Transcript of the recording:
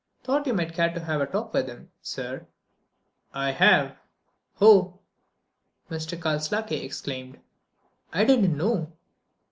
"Thought you might care to have a talk with him, sir." "I have." "Oh!" Mr. Karslake exclaimed—"I didn't know."